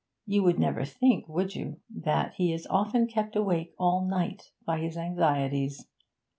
You would never think, would you? that he is often kept awake all night by his anxieties.